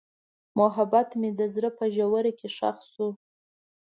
محبت مې د زړه په ژوره کې ښخ شو.